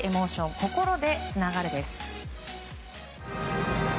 心でつながるです。